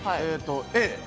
Ａ。